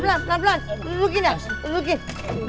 betem kakinya sakit